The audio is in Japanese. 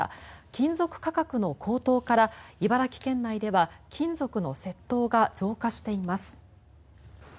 金属価格の高騰から茨城県内では金属の窃盗が増加しています。